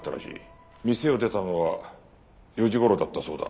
店を出たのは４時頃だったそうだ。